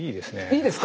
いいですか？